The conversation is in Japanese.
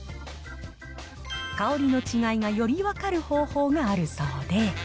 香りの違いがより分かる方法があるそうで。